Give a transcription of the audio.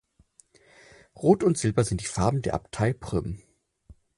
Rot und Silber sind die Farben der Abtei Prüm.